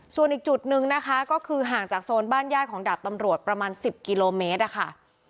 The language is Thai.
ส่วนอีกจุดนึงนะคะก็คือห่างจากโซนบ้านญาติของดาบตำรวจประมาณ๑๐กิโลเมตรอะค่ะ